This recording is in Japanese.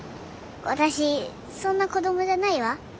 私そんな子どもじゃないわ。